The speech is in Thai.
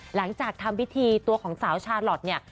หลังจากทำพิธีตัวของสาวชาลอทเนี่ย